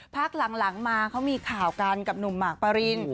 พักหลังมาเขามีข่าวกันกับหนุ่มหมากปริน